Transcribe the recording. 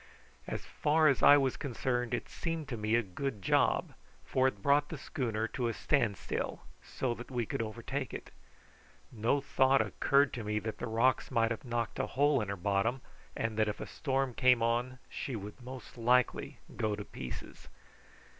As far as I was concerned it seemed to me a good job, for it brought the schooner to a stand still, so that we could overtake it. No thought occurred to me that the rocks might have knocked a hole in her bottom, and that if a storm came on she would most likely go to pieces.